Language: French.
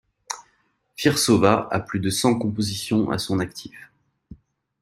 Firsova a plus de cent compositions à son actif.